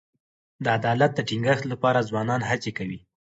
د عدالت د ټینګښت لپاره ځوانان هڅې کوي.